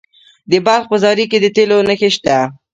د بلخ په زاري کې د تیلو نښې شته.